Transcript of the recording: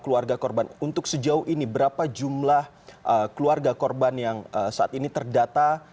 keluarga korban untuk sejauh ini berapa jumlah keluarga korban yang saat ini terdata